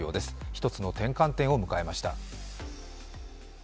一つの転換点を迎えました。